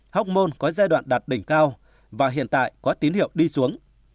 học môn có giai đoạn đạt đỉnh cao và hiện tại có tín hiệu đi xuống